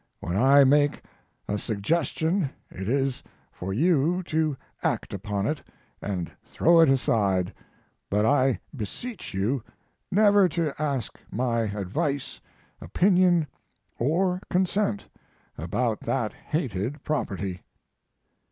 When I make a suggestion it is for you to act upon it or throw it aside, but I beseech you never to ask my advice, opinion, or consent about that hated property.